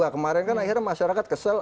kemarin kan akhirnya masyarakat kesel